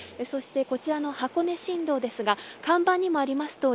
そして、こちらの箱根新道ですが看板にもあります